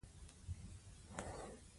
هغې په سنچري مجله کې پایله ولیکله.